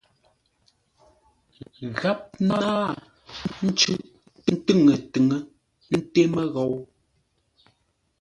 Gháp náa ncʉ́ʼ ntʉŋə-tʉŋə́ nté məghou.